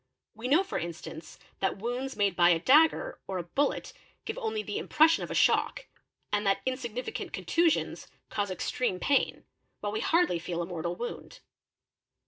We know | for instance that wounds made by a dagger or a bullet give only the : impression of a shock; and that insignificant contusions cause extreme pain, while we hardly feel a mortal wound.